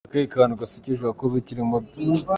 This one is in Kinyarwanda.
com: Ni akahe kantu gasekeje wakoze ukiri muto ?.